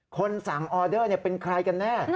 คนสั่งออเดอร์เป็นใครกันแน่